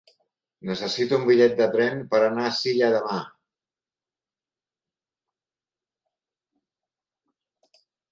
Necessito un bitllet de tren per anar a Silla demà.